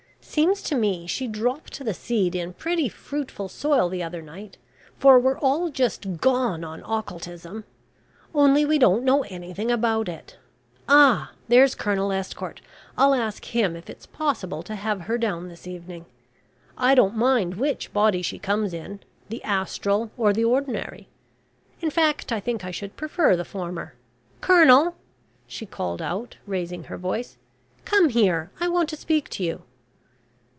Seems to me she dropped the seed in pretty fruitful soil the other night, for we're all just `gone' on occultism. Only we don't know anything about it. Ah, there's Colonel Estcourt, I'll ask him if it's possible to have her down this evening. I don't mind which body she comes in: the Astral or the ordinary. In fact, I think I should prefer the former. Colonel!" she called out, raising her voice. "Come here, I want to speak to you."